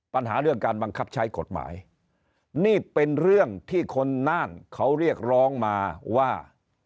ปัญหาเรื่องการบังคับใช้กฎหมายนี่เป็นเรื่องที่คนน่านเขาเรียกร้องมาว่า